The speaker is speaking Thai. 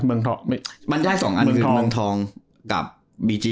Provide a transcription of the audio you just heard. เมืองทองมันได้สองอันคือเมืองทองกับบีจี